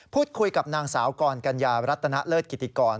พูดคุยกับนางสาวกรกัญญารัตนเลิศกิติกร